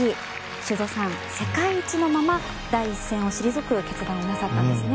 修造さん、世界一のまま第一線を退く決断をなさったんですね。